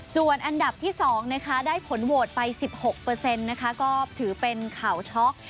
ส่วนอันดับที่๒ได้ผลโหวตไป๑๖ก็ถือเป็นข่าวช็อก